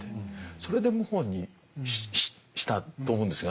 それで謀反にしたと思うんですが。